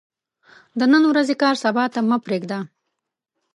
د نن ورځې کار سبا ته مه پريږده